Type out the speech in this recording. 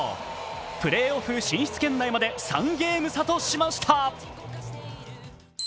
プレーオフ進出圏内まで３ゲーム差としました。